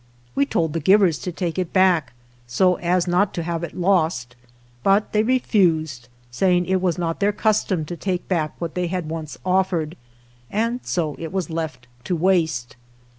We told the givers to take it back, so as not to have it lost, but they refused, saying it was not their custom to take back what they had once offered, and so it was left to waste.